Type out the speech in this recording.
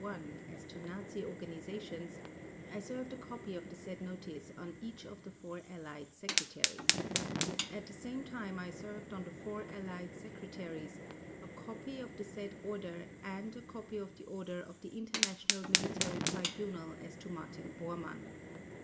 1 as to Nazi Organisations, I served a copy of the said notice on each of the four Allied Secretariats; at the same time I served on the four Allied Secretariats a copy of the said order and a copy of the order of the International Military Tribunal as to Martin Bormann.